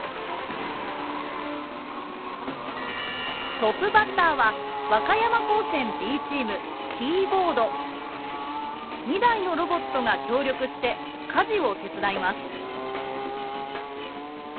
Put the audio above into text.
トップバッターは２台のロボットが協力して家事を手伝います。